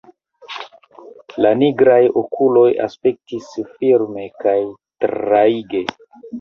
La nigraj okuloj aspektis firme kaj traige.